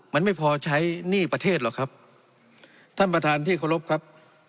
มันไม่พอใช้หนี้ประเทศหรอกครับท่านประธานที่เคารพครับ